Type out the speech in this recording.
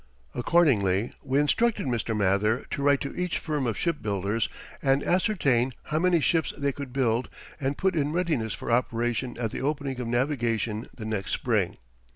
Accordingly we instructed Mr. Mather to write to each firm of shipbuilders and ascertain how many ships they could build and put in readiness for operation at the opening of navigation the next spring.